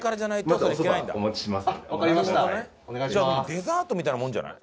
デザートみたいなもんじゃない？